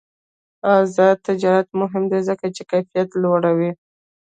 آزاد تجارت مهم دی ځکه چې کیفیت لوړوي.